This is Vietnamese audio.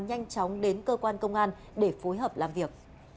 nhanh chóng đến cơ quan công an để phối hợp làm việc